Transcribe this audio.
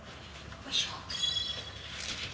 よいしょ。